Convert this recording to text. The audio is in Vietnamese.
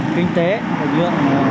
kinh tế lực lượng